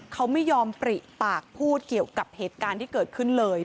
เขาไม่ยอมปริปากพูดเกี่ยวกับเหตุการณ์ที่เกิดขึ้นเลย